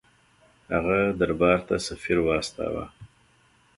هغه دربار ته سفیر واستاوه.